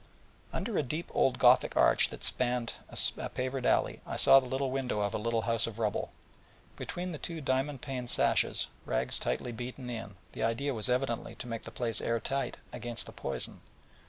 Under a deep old Gothic arch that spanned a pavered alley, I saw the little window of a little house of rubble, and between the two diamond paned sashes rags tightly beaten in, the idea evidently being to make the place air tight against the poison.